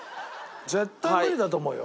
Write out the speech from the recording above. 絶対無理だと思うよ。